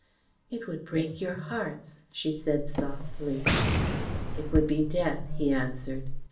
"It would break your hearts," she said softly. "It would be death," he answered.